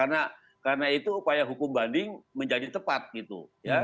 nah karena itu upaya hukum banding menjadi tepat gitu